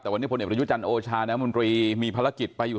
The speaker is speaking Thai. แต่วันนี้พลเอกประยุจันทร์โอชาน้ำมนตรีมีภารกิจไปอยู่